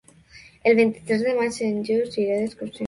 El vint-i-tres de maig en Lluc irà d'excursió.